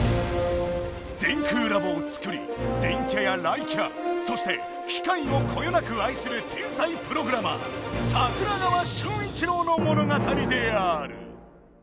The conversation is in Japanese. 電空ラボをつくり電キャや雷キャそしてきかいをこよなくあいする天才プログラマー桜川春一郎の物語である！